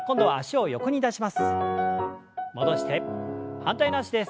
反対の脚です。